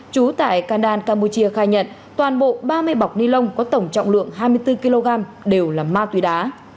chú tại candan campuchia khai nhận toàn bộ ba mươi bọc ni lông có tổng trọng lượng hai mươi bốn kg đều là ma túy đá